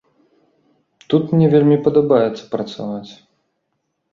Тут мне вельмі падабаецца працаваць.